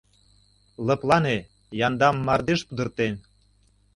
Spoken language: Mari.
— Лыплане, яндам мардеж пудыртен.